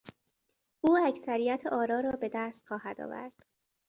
او اکثریت آرا را به دست خواهد آورد.